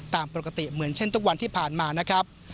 ตามปกติเหมือนเช่นทุกวันที่ผ่านมานะครับ